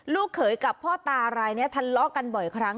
เขยกับพ่อตารายนี้ทะเลาะกันบ่อยครั้ง